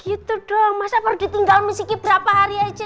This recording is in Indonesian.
gitu dong masa perlu ditinggal miss siki berapa hari aja